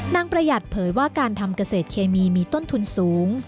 ประหยัดเผยว่าการทำเกษตรเคมีมีต้นทุนสูง